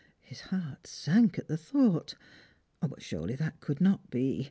His heart sank at the thought. But surely that could not be.